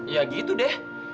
ya gitu deh